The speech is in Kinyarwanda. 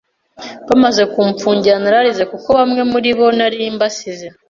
Bamaze kumfungura, nararize kuko bamwe muri bo nari mbasize.